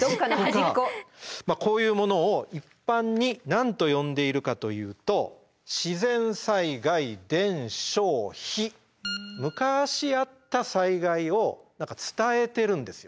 こういうものを一般に何と呼んでいるかというとむかしあった災害を伝えてるんですよ